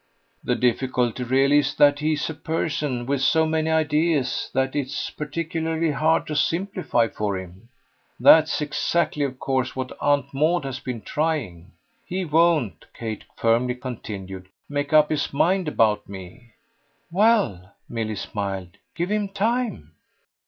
"The difficulty really is that he's a person with so many ideas that it's particularly hard to simplify for him. That's exactly of course what Aunt Maud has been trying. He won't," Kate firmly continued, "make up his mind about me." "Well," Milly smiled, "give him time."